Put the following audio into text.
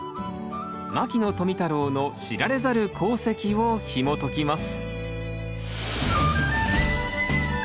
牧野富太郎の知られざる功績をひもときます